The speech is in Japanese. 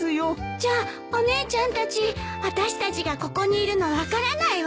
じゃあお姉ちゃんたちあたしたちがここにいるの分からないわね。